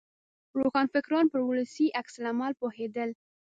روښانفکران پر ولسي عکس العمل پوهېدل.